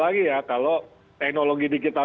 lagi ya kalau teknologi digital